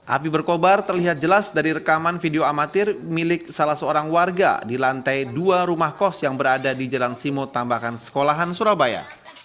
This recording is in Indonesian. api berkobar terlihat jelas dari rekaman video amatir milik salah seorang warga di lantai dua rumah kos yang berada di jalan simo tambahkan sekolahan surabaya